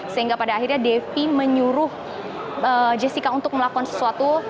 sehingga pada akhirnya devi menyuruh jessica untuk melakukan sesuatu